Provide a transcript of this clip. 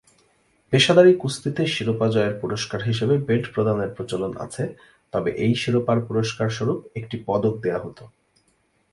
পেশাদারি কুস্তিতে শিরোপা জয়ের পুরস্কার হিসেবে বেল্ট প্রদানের প্রচলন আছে, তবে এই শিরোপার পুরস্কার সরূপ একটি পদক দেয়া হতো।